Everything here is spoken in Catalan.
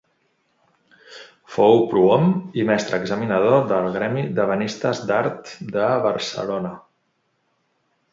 Fou prohom i mestre examinador del Gremi d'Ebenistes d'Art de Barcelona.